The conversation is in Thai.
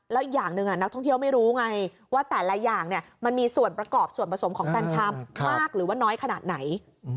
แล้วอีกอย่างหนึ่งนักท่องเที่ยวไม่รู้ไงว่าแต่ละอย่างมันมีส่วนประกอบส่วนผสมของกัญชามากหรือว่าน้อยขนาดไหน